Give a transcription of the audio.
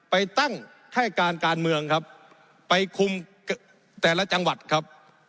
ไปตั้งให้การการเมืองครับไปคุมแต่ละจังหวัดครับ